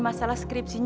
aku juga yakin